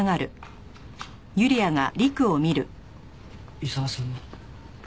伊沢さんは。